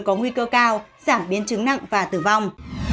có nguy cơ cao giảm biến chứng nặng và tử vong